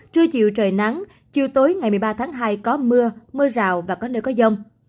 trưa chiều trời nắng chiều tối ngày một mươi ba tháng hai có mưa mưa rào và có nơi có dông